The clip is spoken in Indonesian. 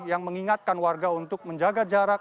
yang mengingatkan warga untuk menjaga jarak